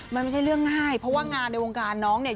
มันไม่ใช่เรื่องง่ายเพราะว่างานในวงการน้องเนี่ย